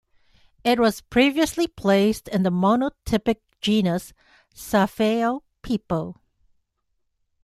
It was previously placed in the monotypic genus "Sapheopipo".